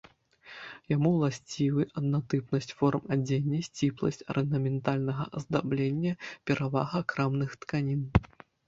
Яму ўласцівы аднатыпнасць форм адзення, сціпласць арнаментальнага аздаблення, перавага крамных тканін.